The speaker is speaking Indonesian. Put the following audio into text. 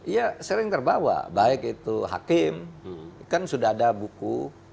ya sering terbawa baik itu hakim kan sudah ada buku